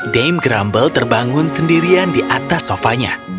dame grumble terbangun sendirian di atas sofanya